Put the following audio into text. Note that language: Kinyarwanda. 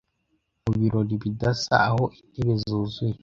mu birori bidasa aho intebe zuzuye